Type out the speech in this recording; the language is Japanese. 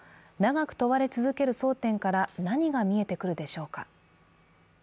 長く問われ続ける争点から何が見えてくるでしょうか。